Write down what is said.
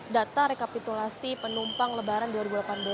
data rekapitulasi penumpang lebaran